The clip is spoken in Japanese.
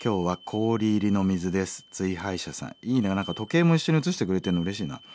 何か時計も一緒に写してくれてるのうれしいな。